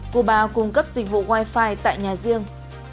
cụ bào cung cấp dịch vụ wifi tại nhà riêng